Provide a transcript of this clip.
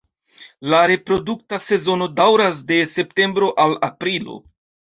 La reprodukta sezono daŭras de septembro al aprilo.